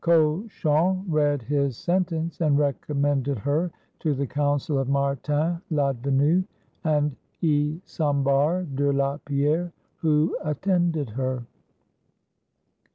Cauchon read his sentence, and recommended her to the counsel of Martin Ladvenu and Isambard de la Pierre, who attended her.